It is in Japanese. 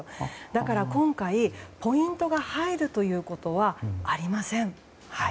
だから、今回ポイントが入るということはありません。